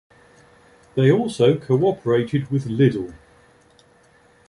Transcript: They also cooperated with Lidl.